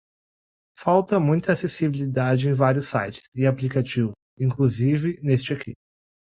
Falta muita acessibilidade em vários sites e aplicativos, inclusive neste aqui.